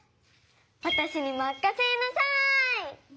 わたしにまかせなさい。